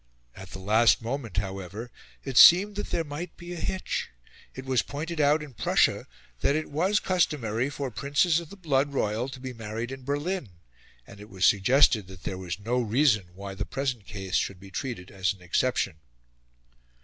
At the last moment, however, it seemed that there might be a hitch. It was pointed out in Prussia that it was customary for Princes of the blood royal to be married in Berlin, and it was suggested that there was no reason why the present case should be treated as an exception.